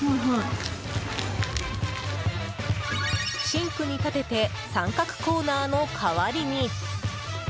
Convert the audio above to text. シンクに立てて三角コーナーの代わりに。